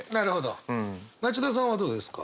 町田さんはどうですか？